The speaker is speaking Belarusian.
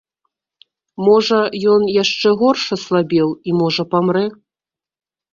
Можа, ён яшчэ горш аслабеў і, можа, памрэ.